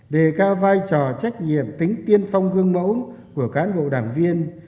đề cao vai trò trách nhiệm tính tiên phong gương mẫu của cán bộ đảng viên